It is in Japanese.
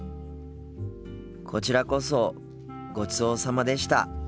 こちらこそごちそうさまでした。